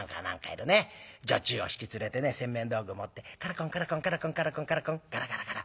女中を引き連れてね洗面道具持ってカラコンカラコンカラコンガラガラガラ。